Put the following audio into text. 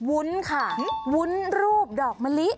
วุ้นค่ะวุ้นรูปดอกมะลิ